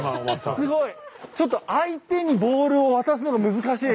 すごいちょっと相手にボールを渡すのが難しい。